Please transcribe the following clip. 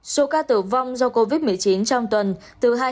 số ca tử vong do covid một mươi chín trong tuần từ hai mươi